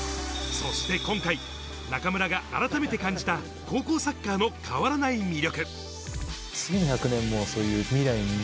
そして今回、中村があらためて感じた、高校サッカーの変わらない魅力。